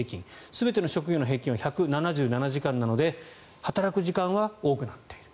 全ての職業の平均は１７７時間なので働く時間は多くなっている。